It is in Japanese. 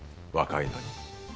若いのに。